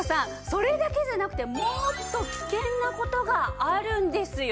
それだけじゃなくてもっと危険な事があるんですよ。